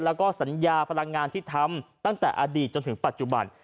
แล้วก็สัญญาพลังงานที่ทำตั้งแต่อดีตจนถึงปัจจุบัน